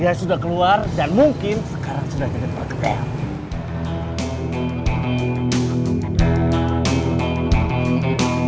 dia sudah keluar dan mungkin sekarang sudah jadi pergekan